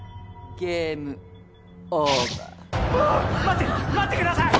待って待ってください！